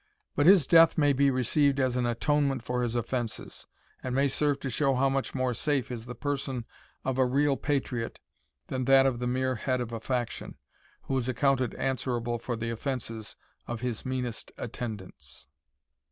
But his death may be received as an atonement for his offences, and may serve to show how much more safe is the person of a real patriot, than that of the mere head of a faction, who is accounted answerable for the offences of his meanest attendants.